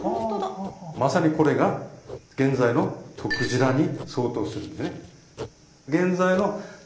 まさにこれが現在のとくじらに相当するんですね。